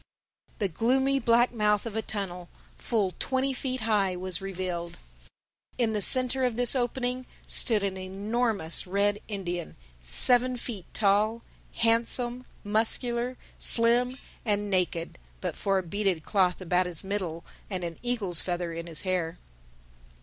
The gloomy black mouth of a tunnel, full twenty feet high, was revealed. In the centre of this opening stood an enormous red Indian, seven feet tall, handsome, muscular, slim and naked—but for a beaded cloth about his middle and an eagle's feather in his hair.